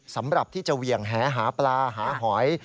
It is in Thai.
สำหรับที่จะเหวี่ยงแหหาปลาหาหอย